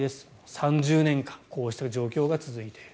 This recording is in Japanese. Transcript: ３０年間こうした状況が続いている。